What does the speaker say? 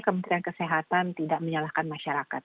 kementerian kesehatan tidak menyalahkan masyarakat